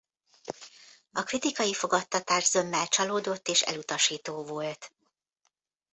A kritikai fogadtatás zömmel csalódott és elutasító volt.